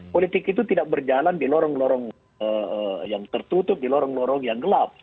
politik itu tidak berjalan di lorong lorong yang tertutup di lorong lorong yang gelap